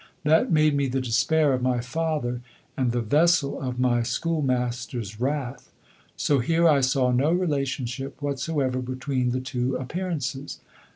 That made me the despair of my father and the vessel of my schoolmaster's wrath. So here I saw no relationship whatsoever between the two appearances.